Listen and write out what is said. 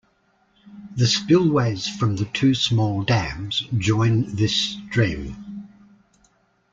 The spillways from the two small dams join this stream.